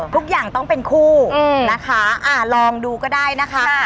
ทุกอย่างต้องเป็นคู่นะคะลองดูก็ได้นะคะ